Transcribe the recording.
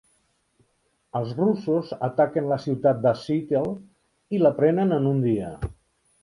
Els russos ataquen la ciutat de Seattle i la prenen en un dia.